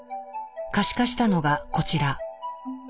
可視化したのがこちら。